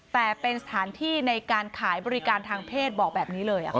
แต่เป็นสถานที่ในการขายบริการทางเพศบอกแบบนี้เลย